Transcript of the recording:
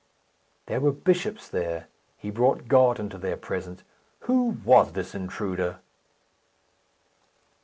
There were bishops there. He brought God into their presence. Who was this intruder?